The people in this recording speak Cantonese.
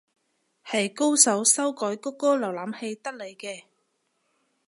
係高手修改谷歌瀏覽器得嚟嘅